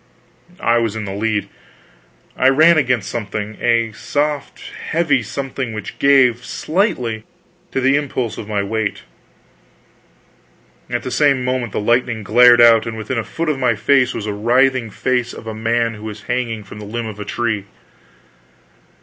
I was in the lead. I ran against something a soft heavy something which gave, slightly, to the impulse of my weight; at the same moment the lightning glared out, and within a foot of my face was the writhing face of a man who was hanging from the limb of a tree!